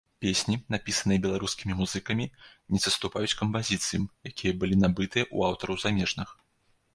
Песні, напісаныя беларускімі музыкамі, не саступаюць кампазіцыям, якія былі набытыя ў аўтараў замежных.